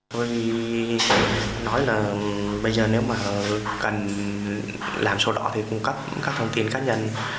tôi phải nói là bây giờ nếu mà cần làm sổ đỏ thì cung cấp các thông tin cá nhân